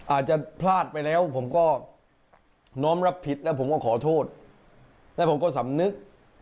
อาจจะพลาดไปแล้วผมก็น้อมรับผิดแล้วผมก็ขอโทษแล้วผมก็สำนึก